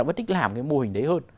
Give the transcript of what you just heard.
người ta thích làm cái mô hình đấy hơn